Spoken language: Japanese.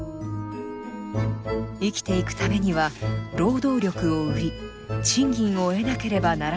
生きていくためには労働力を売り賃金を得なければならないのです。